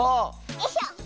よいしょ。